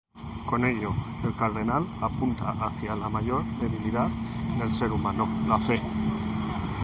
Con ello, el cardenal apunta hacia la mayor debilidad del ser humano, la fe.